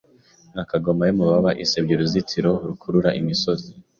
Nka kagoma yamababa isebya uruzitiro rukurura Imisozi